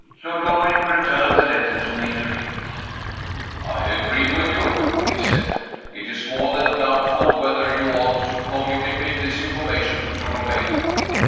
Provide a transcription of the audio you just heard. Lord Loring returned the letter to Major Hynd. "I agree with you," he said. "It is more than doubtful whether you ought to communicate this information to Romayne."